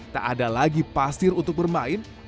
tak ada lagi pasir untuk bermain